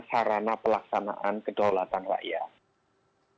karena pelaksanaan kedaulatan rakyat